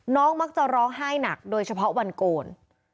มักจะร้องไห้หนักโดยเฉพาะวันโกน